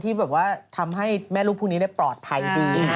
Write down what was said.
ที่ทำให้แม่ลูกพวกนี้ได้ปลอดภัยดี